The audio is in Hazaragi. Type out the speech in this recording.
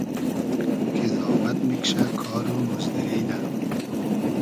کی زامئد میکشۂ ، کار و موزدوری نۂ